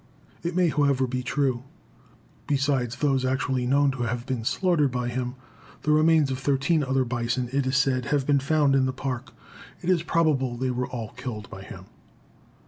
It may, however, be true. Besides those actually known to have been slaughtered by him, the remains of thirteen other bison, it is said, have been found in the Park. It is probable they were all killed by him.